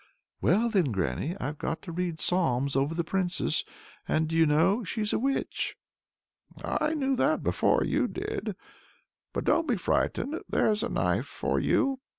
"Well then, granny, I've got to read psalms over the princess, and, do you know, she's a witch!" "I knew that before you did! But don't be frightened, there's a knife for you.